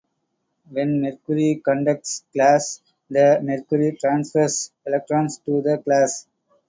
When mercury contacts glass, the mercury transfers electrons to the glass.